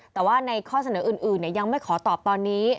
แต่ว่าในข้อเสนออื่นยังไม่ขอตอบตอนนี้